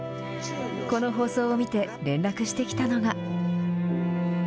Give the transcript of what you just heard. この放送を見て、連絡してきたのが。